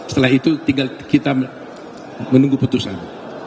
setelah itu tinggal kita menunggu putusan